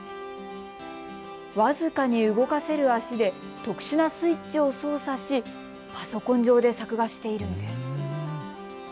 僅かに動かせる足で特殊なスイッチを操作し、パソコン上で作画しているんです。